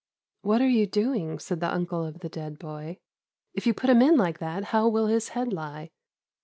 "'What are you doing?' said the uncle of the dead boy. 'If you put him in like that how will his head lie?